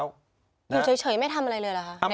อยู่เฉยไม่ทำอะไรเลยเหรอคะ